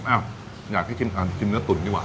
อ้าวอยากให้ชิมเนื้อตุ๋นดีกว่า